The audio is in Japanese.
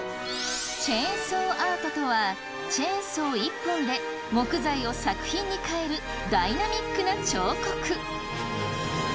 チェーンソーアートとはチェーンソー１本で木材を作品に変えるダイナミックな彫刻。